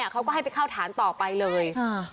เขาก็ให้ไปเข้าฐานต่อไปเลย